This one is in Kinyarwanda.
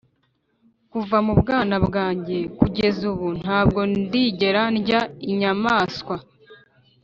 Kuva mu bwana bwanjye kugeza ubu, nta bwo ndigera ndya inyamaswa